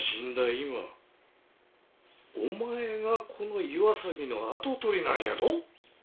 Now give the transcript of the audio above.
今お前がこの岩崎の跡取りなんやぞ。